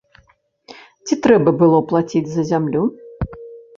Ці трэба было плаціць за зямлю?